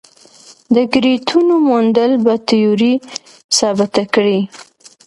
د ګرویټونو موندل به تیوري ثابته کړي.